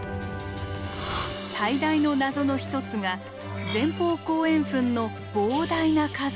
最大の謎の一つが前方後円墳の膨大な数。